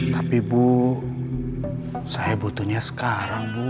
tapi bu saya butuhnya sekarang bu